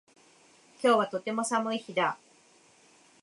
今日はとても寒い日だ